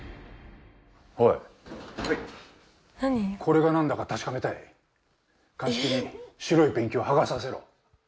おいはいこれが何だか確かめたい鑑識に白いペンキを剥がさせろ